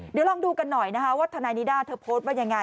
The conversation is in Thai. เดี๋ยวลองดูกันหน่อยนะคะว่าทนายนิด้าเธอโพสต์ว่ายังไง